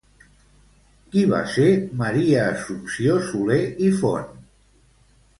Qui va ser Maria Assumpció Soler i Font?